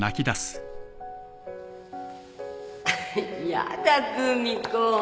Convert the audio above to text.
やだ久美子。